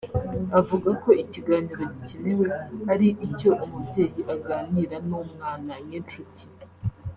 Avuga ko ikiganiro gikenewe ari icyo umubyeyi aganira n’umwana nk’inshuti